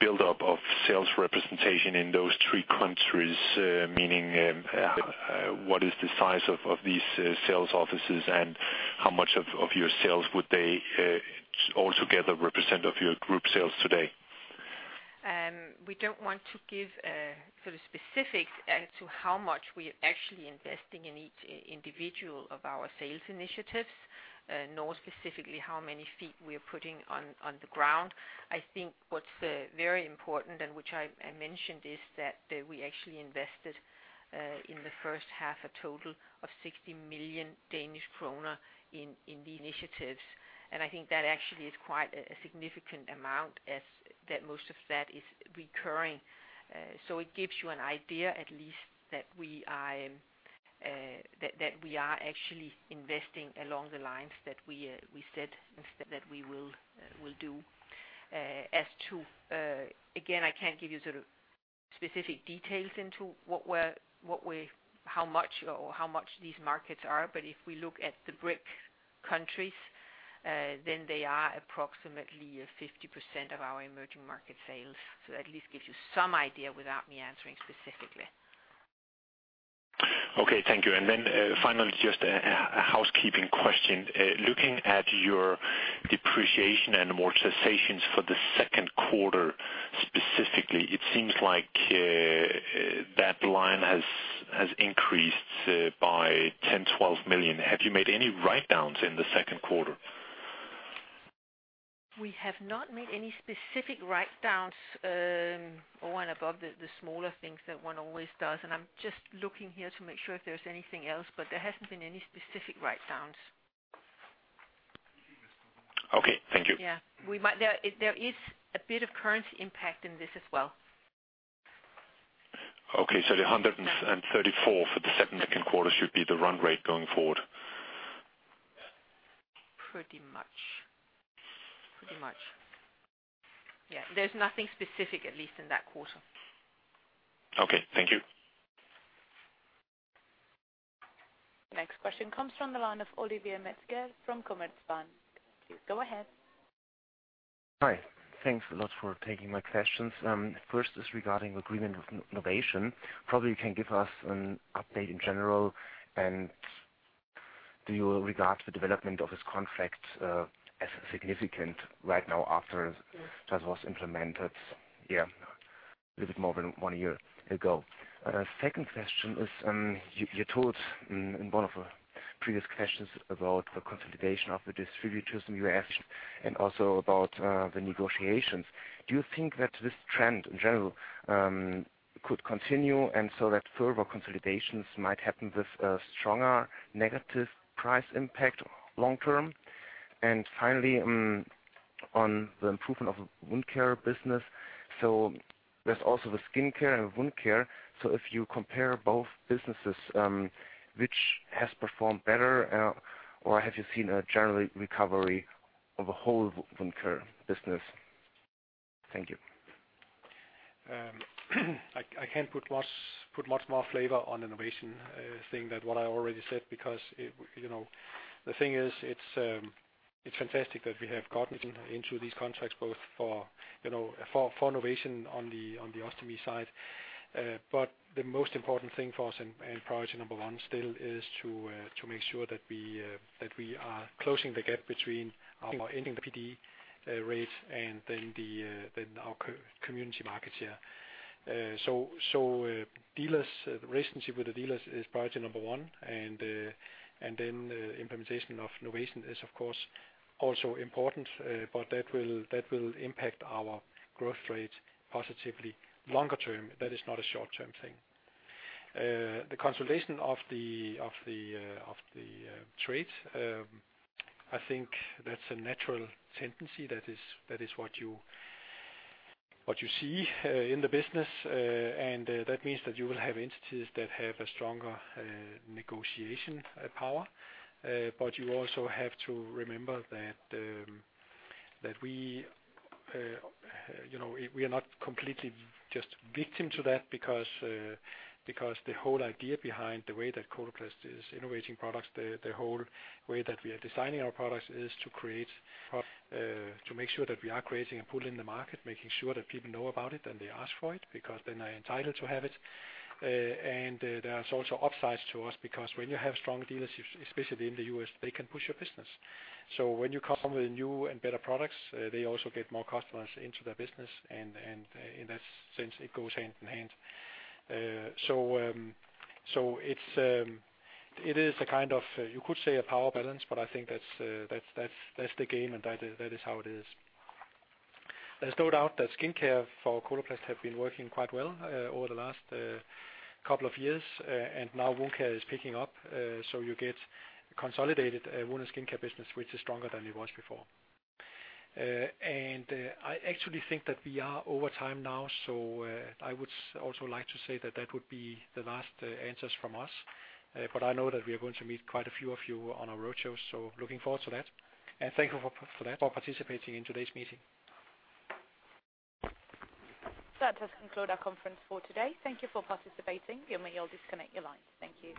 buildup of sales representation in those three countries? Meaning, what is the size of these sales offices, and how much of your sales would they all together represent of your group sales today? ...We don't want to give sort of specifics as to how much we are actually investing in each individual of our sales initiatives, nor specifically how many feet we are putting on the ground. I think what's very important, and which I mentioned, is that we actually invested in the first half, a total of 60 million Danish kroner in the initiatives. I think that actually is quite a significant amount as most of that is recurring. It gives you an idea at least, that we are actually investing along the lines that we said that we will do. As to, again, I can't give you sort of specific details into what we're, how much or how much these markets are. If we look at the BRIC countries, then they are approximately 50% of our emerging market sales. That at least gives you some idea without me answering specifically. Okay, thank you. Finally, just a housekeeping question. Looking at your depreciation and amortizations for the second quarter, specifically, it seems like that line has increased by 10 million-12 million. Have you made any write-downs in the second quarter? We have not made any specific write-downs, or above the smaller things that one always does, and I'm just looking here to make sure if there's anything else, but there hasn't been any specific write-downs. Okay, thank you. Yeah, there is a bit of currency impact in this as well. Okay, the 134 for the second quarter should be the run rate going forward? Pretty much. Yeah, there's nothing specific, at least in that quarter. Okay, thank you. The next question comes from the line of Oliver Metzger from Commerzbank. Please go ahead. Hi. Thanks a lot for taking my questions. First is regarding agreement with Novation. Probably you can give us an update in general, and do you regard the development of this contract as significant right now after that was implemented? Yeah, a little bit more than 1 year ago. Second question is, you told in one of our previous questions about the consolidation of the distributors in the U.S. and also about the negotiations. Do you think that this trend in general could continue, and so that further consolidations might happen with a stronger negative price impact long-term? Finally, on the improvement of wound care business. There's also the skin care and wound care. If you compare both businesses, which has performed better, or have you seen a general recovery of the whole wound care business? Thank you. I can't put much more flavor on innovation, thing that what I already said, because it, you know, the thing is, it's fantastic that we have gotten into these contracts both for Novation on the Ostomy side. The most important thing for us and priority number one still is to make sure that we that we are closing the gap between our ending the NPD rate, and our co, community market share. Dealers, relationship with the dealers is priority number one, implementation of Novation is, of course, also important, that will impact our growth rate positively longer term. That is not a short-term thing. The consolidation of the trades, I think that's a natural tendency. That is what you see in the business. That means that you will have entities that have a stronger negotiation power. You also have to remember that we, you know, we are not completely just victim to that because the whole idea behind the way that Coloplast is innovating products, the whole way that we are designing our products is to create to make sure that we are creating a pool in the market, making sure that people know about it, and they ask for it, because then they are entitled to have it. There are also upsides to us, because when you have strong dealers, especially in the U.S., they can push your business. When you come up with new and better products, they also get more customers into their business, and in that sense, it goes hand in hand. It's a kind of, you could say, a power balance, but I think that's the game and that is how it is. There's no doubt that skin care for Coloplast have been working quite well over the last couple of years, and now wound care is picking up, so you get consolidated wound and skin care business, which is stronger than it was before. I actually think that we are over time now. I would also like to say that that would be the last answers from us. I know that we are going to meet quite a few of you on our roadshows, looking forward to that. Thank you for that, for participating in today's meeting. That does conclude our conference for today. Thank you for participating. You may all disconnect your line. Thank you.